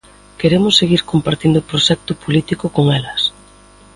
Queremos seguir compartindo proxecto político con elas.